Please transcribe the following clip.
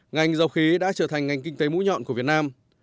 ngành dầu khí đã trở thành ngành kinh tế mũi nhọn của việt nam